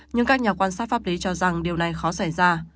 nhưng các nhà quan sát pháp lý cho rằng điều này khó xảy ra